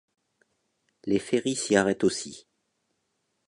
Les ferries s'y arrêtent aussi.